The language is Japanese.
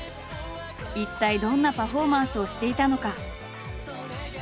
一体どんなパフォーマンスをしていたのか？